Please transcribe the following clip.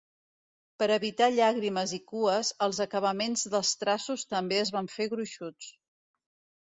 Per evitar llàgrimes i cues, els acabaments dels traços també es van fer gruixuts.